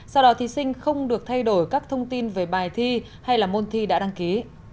sau đó thí sinh không được thay đổi các thông tin về bài thi hay là môn thi đã đăng ký